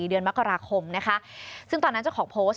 เดือนมกราคมนะคะซึ่งตอนนั้นเจ้าของโพสต์